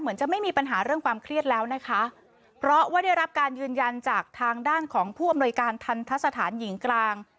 จะไม่มีปัญหาเรื่องความเครียดแล้วนะคะเพราะว่าได้รับการยืนยันจากทางด้านของผู้อำนวยการทันทะสถานหญิงกลาง